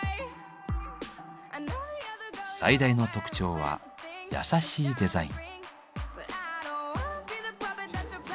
最大の特徴は優しいデザイン。